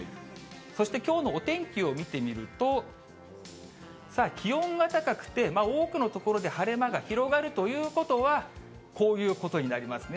そしてきょうのお天気を見てみると、気温が高くて、多くの所で晴れ間が広がるということは、こういうことになりますね。